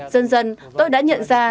dần dần tôi đã nhận ra